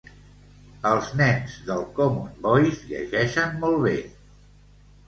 Les nenes i nens del common voice llegeixen molt bé